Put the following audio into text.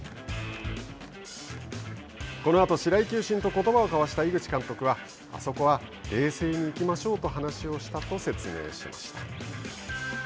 このあと白井球審とことばを交わした井口監督はあそこは冷静にいきましょうと話をしたと説明しました。